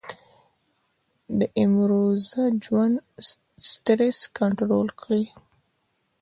د امروزه ژوند سټرېس کنټرول کړي -